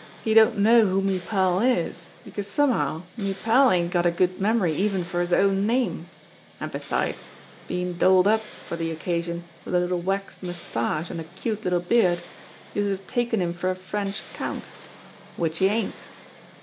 He don't know who me pal is because somehow me pal ain't got a good memory even for his own name ; an' besides, bein' dolled up for de occasion wid a little waxed moustache an' a cute little beard, youse'd have taken him for a French Count which he ain't.